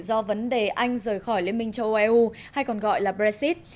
do vấn đề anh rời khỏi liên minh châu âu eu hay còn gọi là brexit